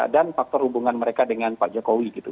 dan faktor hubungan mereka dengan pak jokowi gitu